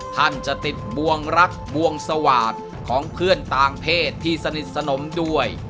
ท่านจะติดบวงรักบวงสวาสตร์ของเพื่อนต่างเพศที่สนิทสนมด้วย